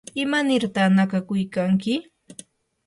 ¿imanirta nakakuykanki?